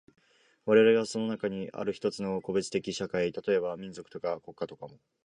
我々がその中にある一つの個別的社会、例えば民族とか国家とかも、